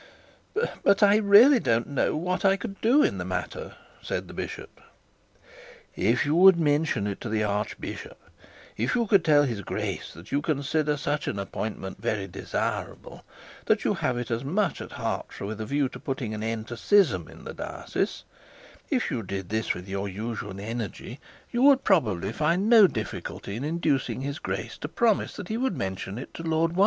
'But I really don't know what I could do in the matter,' said the bishop. 'If you would mention it to the archbishop; if you would tell his grace that you consider such an appointment very desirable, that you have it much at heart with a view of putting an end to the schism in the diocese; if you did this with your usual energy, you would probably find no difficulty in inducing his grace to promise that he would mention it to Lord